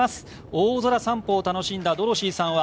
大空散歩を楽しんだドロシーさんは